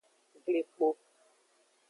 Glikpo.